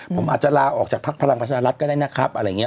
ผมอาจจะลาออกจากภักดิ์พลังประชารัฐก็ได้นะครับ